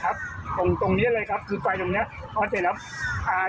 ตรงตรงเนี้ยเลยครับคือไฟตรงเนี้ยพอเสร็จแล้วอ่า